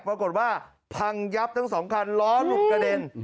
ปรากฏว่าพังยับทั้งสองคันล้อหลุดกระเด็น